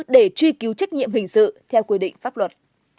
để truy cứu trách nhiệm hình sự theo quy định pháp luật